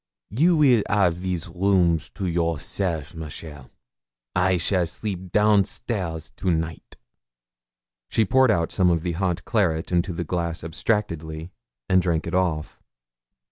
'You weel 'av these rooms to yourself, ma chère. I shall sleep downstairs to night.' She poured out some of the hot claret into the glass abstractedly, and drank it off.